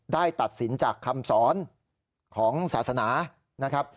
ตัดสินจากคำสอนของศาสนานะครับ